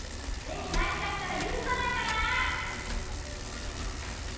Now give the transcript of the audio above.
千に何かしたら許さないからな！